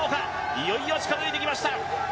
いよいよ近づいてきました。